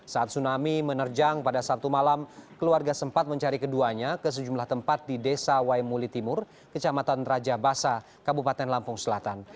saat tsunami menerjang pada sabtu malam keluarga sempat mencari keduanya ke sejumlah tempat di desa waimuli timur kecamatan raja basa kabupaten lampung selatan